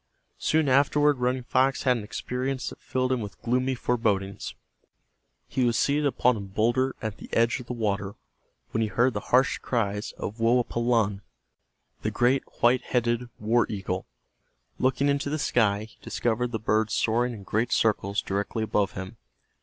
Soon afterward Running Fox had an experience that filled him with gloomy forebodings. He was seated upon a boulder at the edge of the water when he heard the harsh cries of Woapalanne, the great white headed war eagle. Looking into the sky he discovered the bird soaring in great circles directly above him.